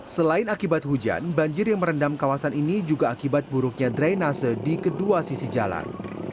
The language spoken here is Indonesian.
selain akibat hujan banjir yang merendam kawasan ini juga akibat buruknya drainase di kedua sisi jalan